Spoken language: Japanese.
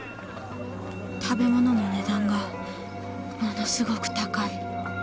食べ物の値段がものすごく高い。